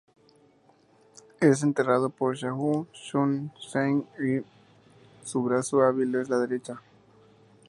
Es entrenado por Shao-Xun Zeng y su brazo hábil es la derecha.